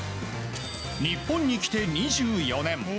日本に来て２４年。